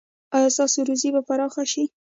ایا ستاسو روزي به پراخه شي؟